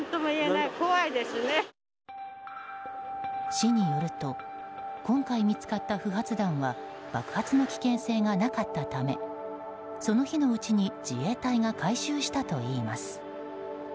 市によると今回見つかった不発弾は爆発の危険性がなかったためその日のうちに自衛隊が回収したといいます。